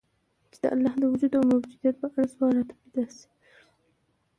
چي د الله د وجود او موجودیت په اړه سوال راته پیدا سي